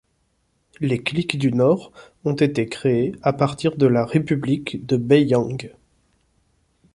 Les cliques du Nord ont été créées à partir de la république de Beiyang.